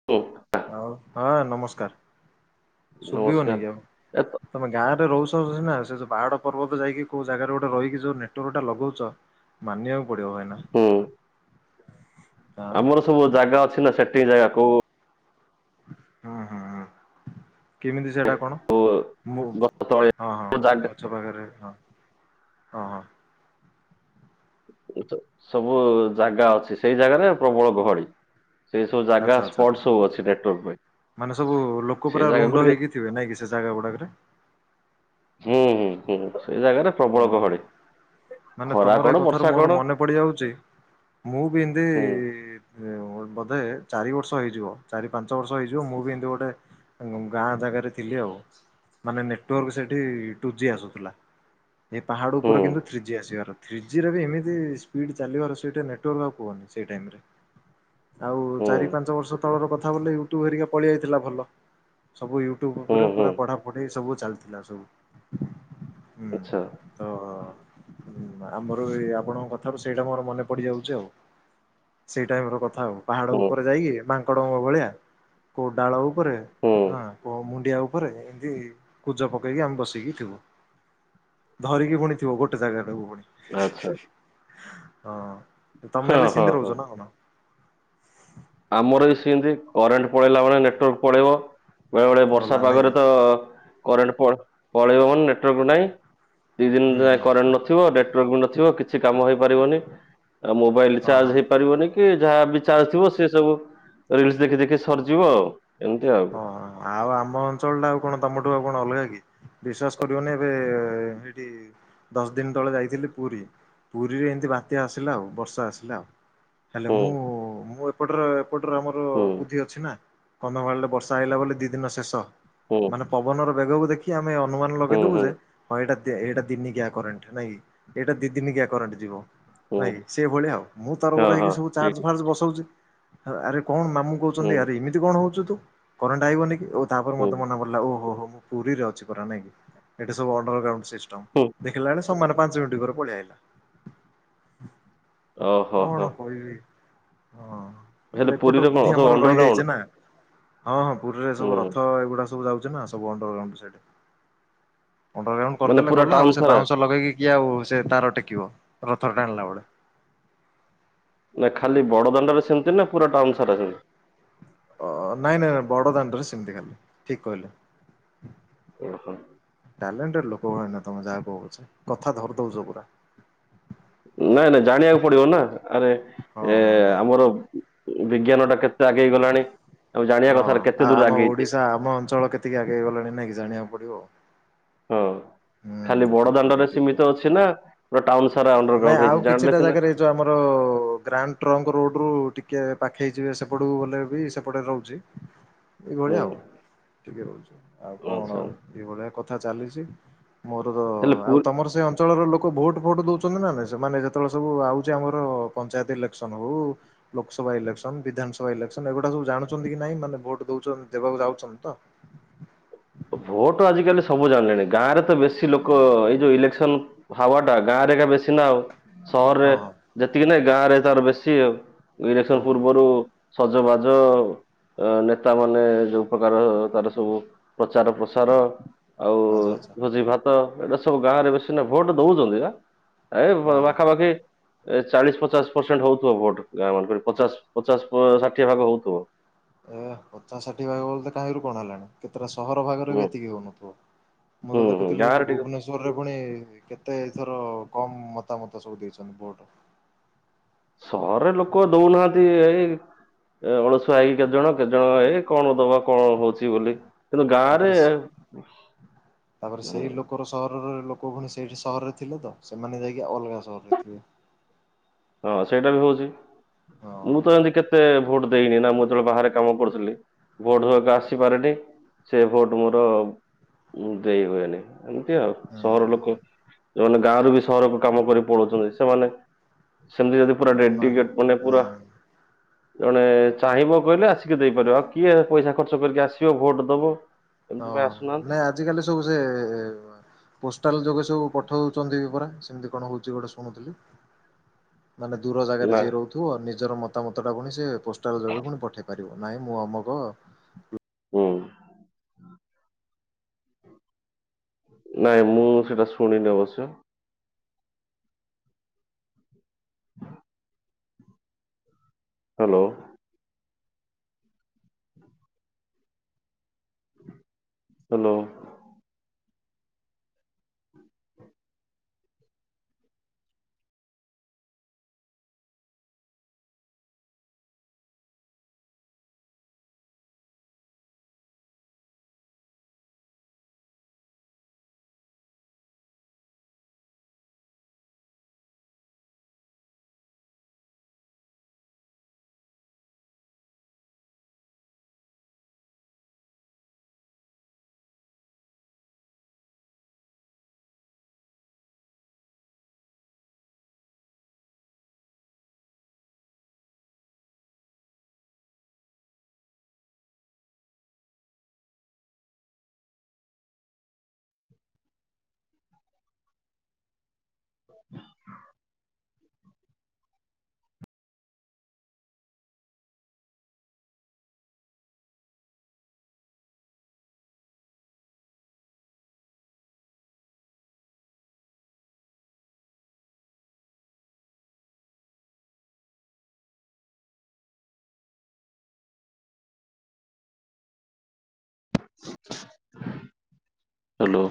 [unintelligible] ଆଉ, ହଁ ନମସ୍କାର, ଶୁଭିବନି ନମସ୍କାର। କି ଆଉ। ଏତ ତମେ ଗାଁରେ ରହୁଛ ସିନା ସେ ଯୋଉ ପାହାଡ ପର୍ବତ ଯାଇକି କୋଉ ଜାଗାରେ ଗୋଟେ ରହିକି ଯୋଉ ନେଟୱାର୍କଟା ଲଗଉଛ ମାନିବାକୁ ପଡିବ ଭାଇନା। ହୁଁ ହଁ ଆମର ସବୁ ଜାଗା ଅଛି ନା ସେଟିଂ ଜାଗା କୋଉ ହୁଁ ହୁଁ ହୁଁ କେମିତି ସେଟା କଣ? କୋଉ ମୁଁ ଗଛ ତଳେ ହଁ ହଁ କୋଉ ଜାଗା ଗଛ ପାଖରେ ହଁ ହଁ ହଁ। ସବୁ ଜାଗା ଅଛି, ସେଇ ଜାଗାରେ ପ୍ରବଳ ଗହଳି। ସେଇ ସବୁ ଜାଗା ଆଚ୍ଛା ଆଚ୍ଛା ସ୍ପଟ ସବୁ ଅଛି ନେଟୱର୍କ ମାନେ ସବୁ ପାଇଁ ଲୋକ ପୁରା ସେ ରୁଣ୍ଡ ଜାଗାକୁ ଟିକେ ହେଇକି ଥିବେ ନାଇଁ କି ସେ ଜାଗା ଉପରେ। ହୁଁ ହୁଁ ହୁଁ ସେଇ ଜାଗାରେ ପ୍ରବଳ ଓହୋ ଗହଳି, ମାନେ ଖରା ତମର ଏ କଣ କଥାରୁ ବର୍ଷା ମୋର କଣ। ମନେ ପଡିଯାଉଛି, ମୁଁ ବି ଏମତି ହୁଁ ବୋଧେ ଚାରି ବର୍ଷ ହେଇଯିବ ଚାରି ପାଞ୍ଚ ବର୍ଷ ହେଇଯିବ ମୁଁ ବି ଏମତି ଗୋଟେ ଗାଁ ଜାଗାରେ ଥିଲି ଆଉ, ମାନେ ନେଟୱାର୍କ ସେଠି ଟୁ ଜି ଆସୁଥିଲା। ଏ ପାହାଡ ହୁଁ ଉପରେ କିନ୍ତୁ ଥ୍ରୀ ଜି ଆସିବାର। ଥ୍ରୀ ଜି ରେ ବି ଏମିତି ସ୍ପିଡ୍ ଚାଲିବାର ସେଇଠେ ନେଟୱାର୍କ ଆଉ [unintelligible] ସେଇ ଟାଇମରେ। ଆଉ ହୁଁ ଚାରି ପାଞ୍ଚ ବର୍ଷ ତଳର କଥା ବୋଲେ ୟୁଟ୍ୟୁବ ହେରିକା ପଳେଇ ଆଇଥିଲା ଭଲ। ସବୁ ୟୁଟ୍ୟୁବ ହୁଁ ଉପରେ ହୁଁ ପୁରା ପଢା ପଢି ସବୁ ଚାଲିଥିଲା ସବୁ। ହୁଁ ଆଚ୍ଛା। ତ ଆମର ଏ ଆପଣଙ୍କ କଥାରୁ ସେଇଟା ମୋର ମନେ ପଡିଯାଉଛି ଆଉ। ସେଇ ଟାଇମର କଥା ଆଉ ପାହାଡ ହୁଁ ଉପରେ ଯାଇକି ମାଙ୍କଡଙ୍କ ଭଳିଆ କୋଉ ଡାଳ ଉପରେ ହୁଁ ହଁ କୋଉ ମୁଣ୍ଡିଆ ଉପରେ ଏମତି କୁଜା ପକେଇକି ଆମେ ବସିକି ଥିବୁ। ଧରିକି ପୁଣି ଥିବ ଗୋଟେ ଜାଗାଟାକୁ ଆଚ୍ଛା ପୁଣି। ହଁ ତମେ ହଁ ହେଲେ ହଁ ସେମିତି ହଁ। ରହୁଛ ନା କଣ? ଆମର ବି ସେମିତି କରେଣ୍ଟ ପଳେଇଲା ମାନେ ନେଟୱାର୍କ ପଳେଇବ। ବେଳେ ବେଳେ ବର୍ଷା ଗଲା ନାଇଁ ପାଗରେ କି ତ କରେଣ୍ଟ ପଳେଇବ ମାନେ ନେଟୱାର୍କ ନାହିଁ ଦିଇ ଦିନ ହୁଁ ଯାଏଁ ହୁଁ କରେଣ୍ଟ ନଥିବ ନେଟୱାର୍କ ବି ନଥିବ କିଛି କାମ ହେଇପାରିବନି। ଆଉ ମୋବାଇଲ ହଁ ଚାର୍ଜ ହଁ ହେଇପାରିବନି କି ଯାହା ବି ଚାର୍ଜ ଥିବ ସେ ସବୁ ରିଲସ ଦେଖି ଦେଖି ସରିଯିବ ଆଉ। ଏମିତି ଆଉ ଓହୋ ଆଉ ଆମ ଅଞ୍ଚଳଟା ଆଉ କଣ ତମଠୁ ଆଉ କଣ ଅଲଗା କି। ବିଶ୍ୱାସ କରିବନି ଏବେ ଏଇଠି ଦଶ ଦିନ ତଳେ ଯାଇଥିଲି ପୁରୀ, ପୁରୀରେ ଏମିତି ବାତ୍ୟା ଆସିଲା ଆଉ ବର୍ଷା ଆସିଲା ଆଉ। ହେଲେ ହୁଁ ମୁଁ ମୁଁ ଏପଟରେ ଏପଟରେ ଆମର ହୁଁ ବୁଦ୍ଧି ଅଛି ନା କନ୍ଧମାଳରେ ସାଇଲା ବୋଲି ଦିଇ ଦିନ ଶେଷ। ହୁଁ। ମାନେ ପବନର ବେଗକୁ ଦେଖି ଆମେ ଅନୁମାନ ହୁଁ ଲଗେଇଦେବୁ ହୁଁ ଯେ ହଁ ଏଇଟା ଏଇଟା ଦିନିକିଆ କରେଣ୍ଟ ନାଇଁ ଏଇଟା ଦି ଦିନିକିଆ କରେଣ୍ଟ ଯିବ। ହୁଁ ନାଇ ସେଇଭଳିଆ ଆଉ ମୁଁ ତରବର ହଁ ହେଇକି ହଁ ସବୁ ଠିକ ଚାର୍ଜ ଫାର୍ଜ ବସଉଛି। ଆରେ କଣ ମାମୁ ହୁଁ କହୁଛନ୍ତି ଆରେ ଏମିତି କଣ ହଉଛୁ ତୁ କରେଣ୍ଟ ଆଇବନି କି। ଓହୋ ତାପରେ ହୁଁ ମୋତେ ମନେ ଓହୋ ହୋ ମୁଁ ପୁରୀରେ ଅଛି ପରା ନାଇଁ ଏଟା ସବୁ ଅଣ୍ଡର ଗ୍ରାଉଣ୍ଡ ସିଷ୍ଟମ। ହୁଁ ଦେଖିଲା ବେଳେ ସମାନେ ପାଞ୍ଚ ମିନିଟ ପରେ ପଳେଇ ଆଇଲା ଓହୋ କଣ। ହୋ କହିବି ହଁ ହେଲେ ବୋଲେ ଏପଟରେ ପୁରୀରେ କଣ ବୁଦ୍ଧି ସବୁ ଆମର ଅଣ୍ଡରଗ୍ରାଉଣ୍ଡ ରହିଯାଇଛି ନା। ହଁ ହଁ ପୁରୀରେ ହୁଁ ସବୁ ରଥ ଏଗୁଡା ସବୁ ଯାଉଛି ନା ସବୁ ଅଣ୍ଡର ଗ୍ରାଉଣ୍ଡ ସିଆଡେ। ଅଣ୍ଡର ଗ୍ରାଉଣ୍ଡ ମାନେ କରିଦେଲେ ପୁରା ଗଲା ଟାଉନ ଆଉ ସେ ସାରା ବାଉଁଶ ଲଗେଇକି କିଏ ଆଉ ସେ ତାର ଟେକିବ ରଥର ଟାଣିଲା ବେଳେ। ନା ଖାଲି ବଡଦାଣ୍ଡରେ ସେମିତି ନା ପୁରା ଟାଉନ ସାରା ସେମିତି? ଅ ନାଇଁ ନାଇଁ ନାଇଁ ବଡ ଦାଣ୍ଡରେ ସେମିତି ଖାଲି ଠିକ କହିଲେ। ଓହୋ ଟାଲେଣ୍ଟଟେଡ୍ ଲୋକ ଭାଇନା ତମେ ଯାହା କୁହ ପଛେ। କଥା ଧରି ଦଉଛ ପୁରା। ନାଇଁ ନାଇଁ ଜାଣିବାକୁ ପଡିବ ନା ଆରେ ହଁ ଏ ହଁ ହଁ। ଆମର ବିଜ୍ଞାନଟା କେତେ ଆଗେଇଗଲାଣି ଆଉ ଜାଣିବା ହଁ କଥାରେ ଆ କେତେ ଦୂର ଆମ ଆଗେଇଛି। ଓଡିଶା ଆମ ଅଞ୍ଚଳ କେତିକି ଆଗେଇ ଗଲାଣି ନାଇଁ କି ଜାଣିବାକୁ ପଡିବ। ହଁ ହୁଁ ଖାଲି ବଡ ଠିକ୍ କଥା ଦାଣ୍ଡରେ ଠିକ୍ ସୀମିତ କଥା ଅଛି ନା ପୁରା ଟାଉନ ସାରା ଅଣ୍ଡର ଗ୍ରାଉଣ୍ଡ ହେଇଛି। ଜାଣିଲେ ସିନା ଯଉ ଆମର ଗ୍ରାଣ୍ଡ ଟ୍ରଙ୍କ ରୋଡ ରୁ ଟିକେ ପାଖେଇଯିବେ ସେପଟକୁ ବଲେ ବି ସେପଟେ ରହୁଛି। ଏଇ ହୁଁ ଭଳିଆ ଆଉ ଟିକେ ରହୁଛି ଆଉ କଣ ଆଚ୍ଛା ଆଉ ଏଇ ଭଳିଆ କଥା ଚାଲିଛି। ମୋର ତ ହେଲେ ପୁରୀ ଆଉ ତମର ସେ ଅଞ୍ଚଳର ଲୋକ ଭୋଟ୍, ଫୋଟ ଦଉଛନ୍ତି ନା। ସେମାନେ ଯେତେବେଳେ ସବୁ ଆଉଛି ଆମର ପଞ୍ଚାୟତ ଇଲେକ୍ସନ ହଉ ଲୋକସଭା ଇଲେକ୍ସନ, ବିଧାନସଭା ଇଲେକ୍ସନ, ଏଗୁଡା ସବୁ ଜାଣଛନ୍ତି କି ନାଇଁ ମାନେ ଭୋଟ ଦଉଛନ୍ତି ଦେବାକୁ ଯାଉଛନ୍ତି ତ? ଭୋଟ ଆଜିକାଲି ସବୁ ଜାଣିଲେଣି। ଗାଁରେ ତ ବେଶୀ ଲୋକ ଏଇ ଯୋଉ ଇଲେକ୍ସନ ହାୱା ଟା ଗାଁ ରେ ଏଇଖା ବେଶୀ ନା ଆଉ। ସହରରେ ହଁ ହଁ ଯେତିକି ନୁହେଁ ଗାଁ ରେ ତାର ବେଶୀ ଆଉ। ଇଲେକ୍ସନ ଓହୋ ପୂର୍ବରୁ ସଜବାଜ ନେତା ମାନେ ଯୋଉ ପ୍ରକାର ତାର ସବୁ ପ୍ରଚାର, ପ୍ରସାର ଆଉ ଆଚ୍ଛା ଆଚ୍ଛା ଭୋଜି ଭାତ। ତ ଏଇଟା ସବୁ ଗାଁରେ ବେଶି ନା ଭୋଟ ଦଉଛନ୍ତି ନା ଏ ହଁ ହଁ। ପାଖା ପାଖି ଏ ଚାଳିଶ, ପଚାଶ ପରସେଣ୍ଟ ହଉଥିବ ଭୋଟ ଗାଁ ମନ୍ ଙ୍କ ରେ ପଚାଶ, ପଚାଶ, ଷାଠିଏ ଭାଗ ହଉଥିବ। ଏ ପଚାଶ ଷାଠିଏ ଭାଗ ବୋଲେ ତ କାହିଁରୁ କଣ ହେଲାଣି। କେତେଟା ସହର ଭାଗରେ ବି ହୁଁ ଏତିକି ହଉନଥିବ, ମୁଁ ହୁଁ ତ ହୁଁ ଦେଖୁଥିଲି ଏଠି ଗାଁରେ ଟିକେ ଭୁବନେଶ୍ଵର [unintelligible] ରେ ପୁଣି କେତେଥର କମ ମତାମତ ସବୁ ଦେଇଛନ୍ତି ଭୋଟ। ସହର ରେ ଲୋକ ଦଉ ନାହାନ୍ତି ଏଇ ଏ ଅଳସୁଆ ହେଇକି କେତେ ଜଣ କେତେ ଜଣ ଏଇ କଣ ଦବା କଣ ହଉଛି। ଥିବି ବୋଲି। କିନ୍ତୁ ଗାଁ ରେ ତାପରେ ହୁଁ ତାପରେ ସେଇ ଲୋକର ସହରର ଲୋକ ଭୁଣି ସେଇଠି ସହର ରେ ଥିଲେ ତ ସେମାନେ ଯାଇକି ଅଲଗା ସହରରେ ଥିବେ। ହଁ, ସେଇଟା ବି ହଉଛି। ହଁ ମୁଁ ତ ଏମିତି କେତେ ଭୋଟ ଦେଇନି ନା ମୁଁ ଯେତେ ବେଳେ ବାହାରେ କାମ କରୁଥିଲି ଭୋଟ ଦବାକୁ ଆସି ପାରେନି ସେ ଭୋଟ ମୋର ମୁଁ ଦେଇ ହଏ ନି। ଏମିତି ଆଉ ହୁଁ ସହର ହୁଁ ଲୋକ ହୁଁ ଯୋଉମାନେ ଗାଁରୁ ବି ସହରକୁ କାମ କରି ପଳଉଛନ୍ତି ସେମାନେ ସେମିତି ଯଦି ପୁରା ଦଉନାହାନ୍ତି ଡେଡିକେଟ ମାନେ ହୁଁ ପୁରା ଜଣେ ଚାହିଁବ କହିଲେ ଆସିକି ଦେଇପାରିବ ଆଉ କିଏ ପଇସା ଖର୍ଚ୍ଚ କରିକି ଆସିବ ଭୋଟ ଦବ। ଏମିତି ହଁ, ପାଇଁ ଆସୁନାହାନ୍ତି ନାଇଁ ଆଜିକାଲି ସବୁ ସେ ପୋଷ୍ଟାଲ ଯୋଗେ ସବୁ ପଠଉଚନ୍ତି ପୁରା ସେମିତି କଣ ହଉଚି ଗୋଟେ ଶୁଣୁଥିଲି। ମାନେ ଦୂର ଜାଗାରେ ନା ଯିଏ ରହୁଥିବ ନିଜର ମତାମତ ଟା ପୁଣି ସେ ପୋଷ୍ଟଲ ଯୋଗ ପୁଣି ପଠେଇ ପାରିବ। ନାଇଁ ମୁଁ ଅମକ ହୁଁ। ନାଇଁ ମୁଁ ସେଇଟା ଶୁଣିନି ଅବଶ୍ୟ [unintelligible] ହେଲୋ। [unintelligible] ହେଲୋ। [unintelligible] [inaudible] ହାଲୋ।